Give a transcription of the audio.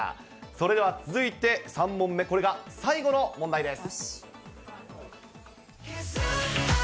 それでは続いて３問目、これが最後の問題です。